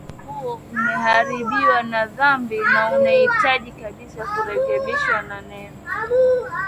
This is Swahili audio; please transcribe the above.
huo umeharibiwa na dhambi na unahitaji kabisa kurekebishwa na neema